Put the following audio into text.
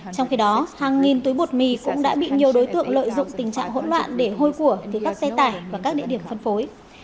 trong khi đó hàng nghìn túi bột mì cũng đã bị nhiều đối tượng lợi dụng tình trạng hỗn loạn để hôi của các xe tải và các địa điểm phân phối